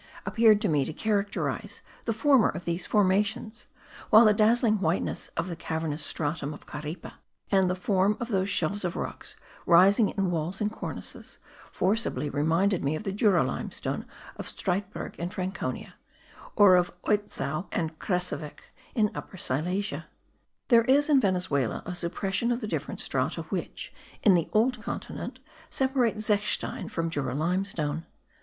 appeared to me to characterize the former of these formations; while the dazzling whiteness of the cavernous stratum of Caripe, and the form of those shelves of rocks rising in walls and cornices, forcibly reminded me of the Jura limestone of Streitberg in Franconia, or of Oitzow and Krzessowic in Upper Silesia. There is in Venezuela a suppression of the different strata which, in the old continent, separate zechstein from Jura limestone.